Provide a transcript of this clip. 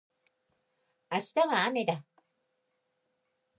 明日はあめだ